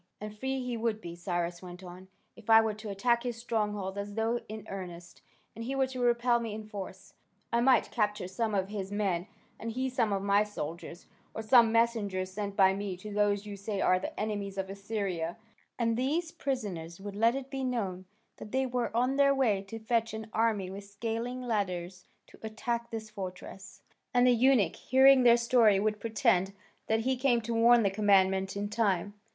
"And free he would be," Cyrus went on, "if I were to attack his strongholds as though in earnest, and he were to repel me in force. I might capture some of his men, and he some of my soldiers, or some messengers sent by me to those you say are the enemies of Assyria, and these prisoners would let it be known that they were on their way to fetch an army with scaling ladders to attack this fortress, and the eunuch, hearing their story, would pretend that he came to warn the commandant in time."